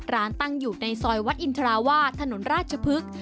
ร้านตั้งอยู่ในซอยวัดอินทราวาสถนนราชพฤกษ์